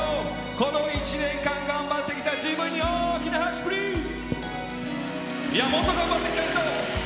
この１年間頑張ってきた自分に大きな拍手プリーズ！